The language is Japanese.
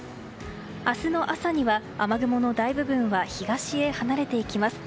明日の朝には雨雲の大部分は東へ離れていきます。